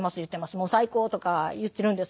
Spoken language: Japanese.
“もう最高”とか言っているんです」